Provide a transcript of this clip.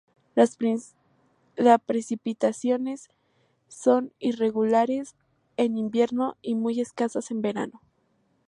Las precipitaciones son irregulares en invierno y muy escasas en verano.